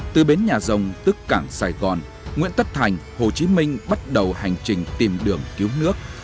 từ bến nhà rồng tức cảng sài gòn nguyễn tất thành hồ chí minh bắt đầu hành trình tìm đường cứu nước